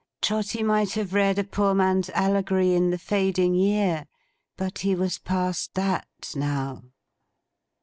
Trotty might have read a poor man's allegory in the fading year; but he was past that, now.